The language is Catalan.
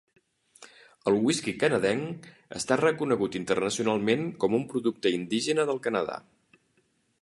El whisky canadenc està reconegut internacionalment com un producte indígena del Canadà.